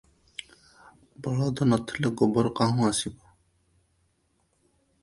ବଳଦ ନ ଥିଲେ ଗୋବର କାହୁଁ ଆସିବ?